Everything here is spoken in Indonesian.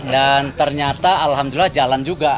dan ternyata alhamdulillah jalan juga